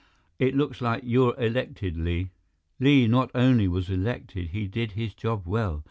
It looks like you're elected, Li." Li not only was elected; he did his job well.